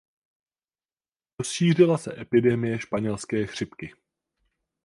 Rozšířila se epidemie španělské chřipky.